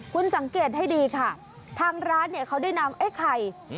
คุณสังเกตให้ดีค่ะทางร้านเนี่ยเขาได้นำไอ้ไข่